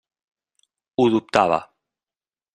Ho dubtava.